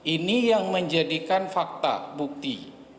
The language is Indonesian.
ini yang menjadikan fakta bukti